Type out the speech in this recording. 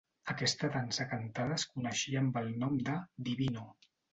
Aquesta dansa cantada es coneixia amb el nom de "Divino".